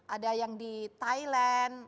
ada yang di thailand